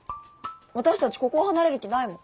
私たちここを離れる気ないもん。